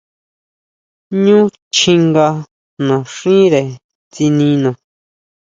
Ñú chjinga naxíre tsinina.